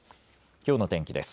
きょうの天気です。